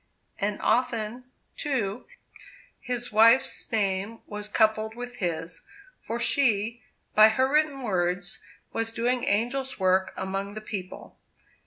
And often, too, his wife's name was coupled with his; for she, by her written words, was doing angels' work among the people.